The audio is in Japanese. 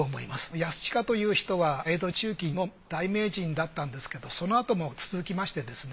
安親という人は江戸中期の大名人だったんですけどそのあとも続きましてですね